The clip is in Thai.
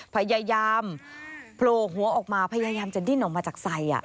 พยายามโผล่หัวออกมาพยายามจะดิ้นออกมาจากใส่